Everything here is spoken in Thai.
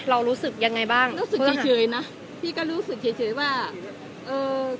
รู้สึกยังไงบ้างรู้สึกเฉยนะพี่ก็รู้สึกเฉยเฉยว่าเออ